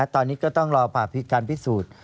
ตอนนี้ก็ต้องรอผ่าพิการพิสูจน์